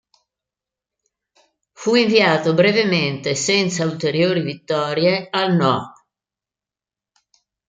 Fu inviato brevemente, senza ulteriori vittorie, al No.